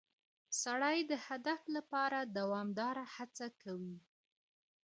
سړی د هدف لپاره دوامداره هڅه کوي